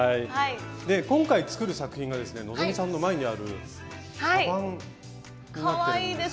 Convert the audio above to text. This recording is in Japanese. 今回作る作品がですね希さんの前にあるカバン。